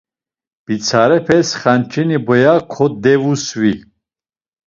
Pitsarepes xanç̌eni boya kodevusvi.